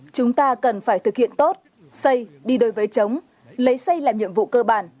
chúng ta cần phải thực hiện tốt xây đi đôi với chống lấy xây làm nhiệm vụ cơ bản